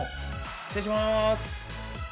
失礼します。